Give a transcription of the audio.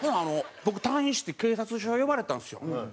僕退院して警察署呼ばれたんですよ。